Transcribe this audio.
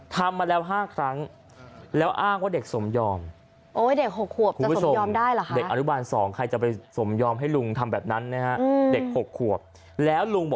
ทำมาแล้ว๕ครั้ง